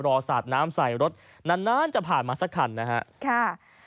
รอสัตว์น้ำใส่รถนานจะผ่านมาสักครั้งนะครับ